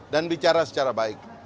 dan bicara secara baik